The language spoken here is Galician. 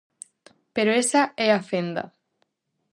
Pero esa é a fenda.